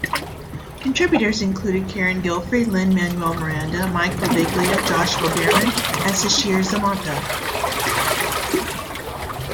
Contributors included Carin Gilfry, Lin-Manuel Miranda, Mike Birbiglia, Joshua Bearman, and Sasheer Zamata.